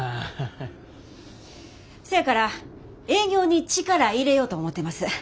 せやから営業に力入れよと思てます。